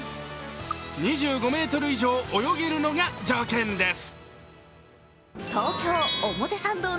２５ｍ以上泳げるのが条件です。